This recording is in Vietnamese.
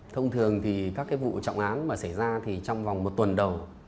thông thường thì các vụ trọng án mà xảy ra thì trong vòng một tuần đầu